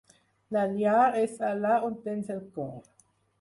La llar és allà on tens el cor.